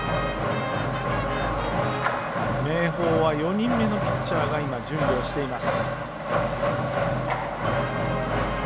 明豊は４人目のピッチャーが今、準備をしています。